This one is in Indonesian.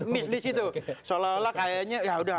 miss di situ seolah olah kayaknya ya udah